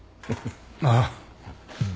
ああ。